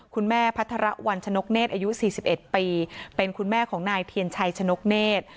พัฒระวันชนกเนธอายุ๔๑ปีเป็นคุณแม่ของนายเทียนชัยชนกเนธ